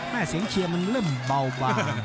เสียงเชียร์มันเริ่มเบาบาง